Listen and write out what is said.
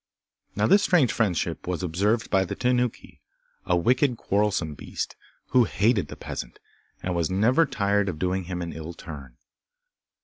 Now this strange friendship was observed by the Tanuki, a wicked, quarrelsome beast, who hated the peasant, and was never tired of doing him an ill turn.